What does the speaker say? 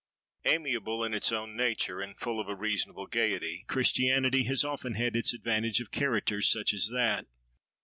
Amiable, in its own nature, and full of a reasonable gaiety, Christianity has often had its advantage of characters such as that.